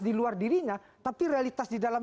di luar dirinya tapi realitas di dalam